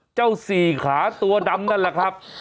สี่ขาตัวดำนั่นแหละครับ